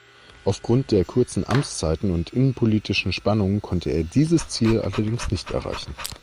Aufgrund der kurzen Amtszeiten und innenpolitischer Spannungen konnte er dieses Ziel allerdings nicht erreichen.